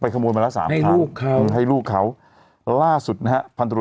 ชอบคุณครับ